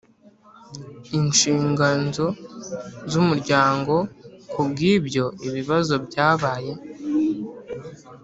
inshinganzo z umuryango Ku bw ibyo bibazo byabaye